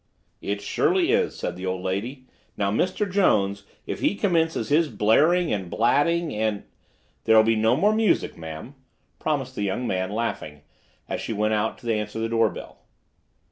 "It surely is," said the old lady. "Now, Mister Jones, if he commences his blaring and blatting and—". "There'll be no more music, ma'am," promised the young man, laughing, as she went out to answer the door bell.